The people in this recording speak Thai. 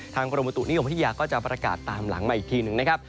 กรมบุตุนิยมพัทยาก็จะประกาศตามหลังมาอีกทีหนึ่งนะครับ